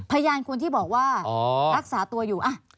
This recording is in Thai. พยานคนที่บอกว่ารักษาตัวอยู่